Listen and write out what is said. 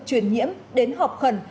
truyền nhiễm đến họp khẩn